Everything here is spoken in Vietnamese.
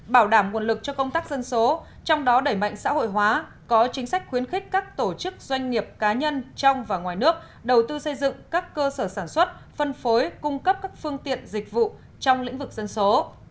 bảo đảm nguồn lực cho công tác dân số trong đó đẩy mạnh xã hội hóa có chính sách khuyến khích các tổ chức doanh nghiệp cá nhân trong và ngoài nước đầu tư xây dựng các cơ sở sản xuất phân phối cung cấp các phương tiện dịch vụ trong lĩnh vực dân số